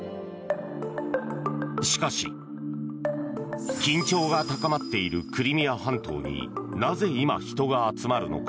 しかし緊張が高まっているクリミア半島になぜ今、人が集まるのか。